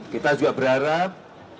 kita juga berharap